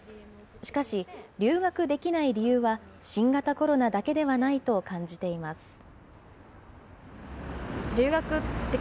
しかし、留学できない理由は新型コロナだけではないと感じています。